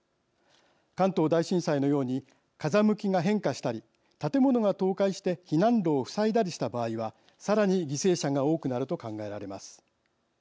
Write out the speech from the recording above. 関東大震災のように風向きが変化したり建物が倒壊して避難路を塞いだりした場合はさらに犠牲者が多くなると考えられます。